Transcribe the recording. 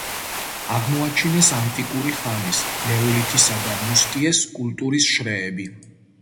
აღმოაჩინეს ანტიკური ხანის, ნეოლითისა და მუსტიეს კულტურის შრეები.